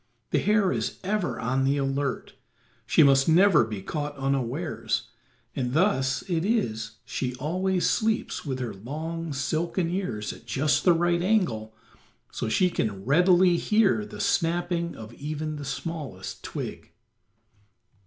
The hare is ever on the alert; she must never be caught unawares, and thus it is she always sleeps with her long, silken ears at just the right angle, so she can readily hear the snapping of even the smallest twig.